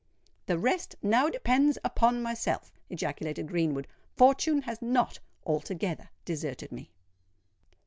"The rest now depends upon myself!" ejaculated Greenwood. "Fortune has not altogether deserted me."